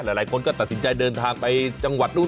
หลายคนก็ตัดสินใจเดินทางไปจังหวัดนู้น